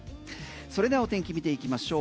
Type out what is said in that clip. それではお天気見ていきましょう。